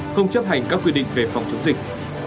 không chấp hành các quy định về phòng chống dịch